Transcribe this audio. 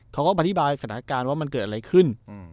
เขาก็อธิบายสถานการณ์ว่ามันเกิดอะไรขึ้น